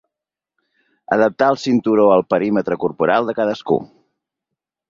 Adaptar el cinturó al perímetre corporal de cadascú.